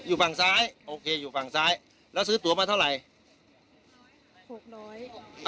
อยู่ฝั่งซ้ายโอเคอยู่ฝั่งซ้ายแล้วซื้อตัวมาเท่าไหร่หกร้อย